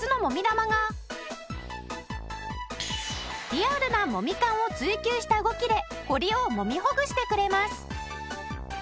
リアルなもみ感を追求した動きでコリをもみほぐしてくれます。